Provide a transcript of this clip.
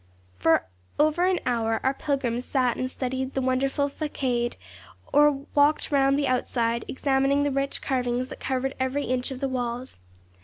For an hour our pilgrims sat and studied the wonderful façade, or walked round the outside, examining the rich carvings that covered every inch of the walls.